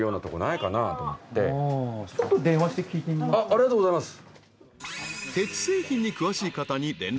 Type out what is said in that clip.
ありがとうございます。